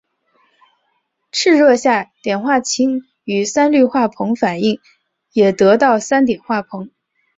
赤热下碘化氢与三氯化硼反应也得到三碘化硼。